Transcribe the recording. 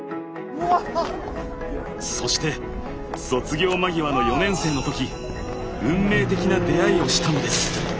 そして卒業間際の４年生の時運命的な出会いをしたのです。